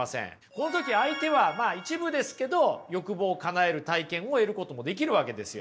この時相手は一部ですけど欲望をかなえる体験を得ることもできるわけですよ。